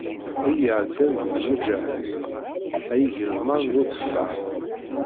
I iɛeddan deg lmuǧahdin, ay igeḍman n uteffaḥ.